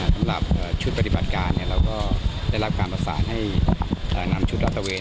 สำหรับชุดปฏิบัติการเราก็ได้รับการประสานให้นำชุดรัฐตะเวน